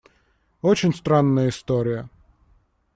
Очень странная история.